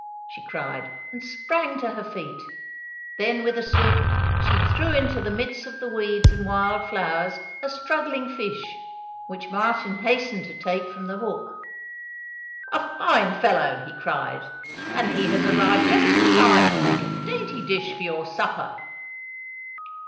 she cried, and sprang to her feet. Then, with a swoop, she threw into the midst of the weeds and wild flowers a struggling fish which Martin hastened to take from the hook. "A fine fellow!" he cried, "and he has arrived just in time to make a dainty dish for your supper."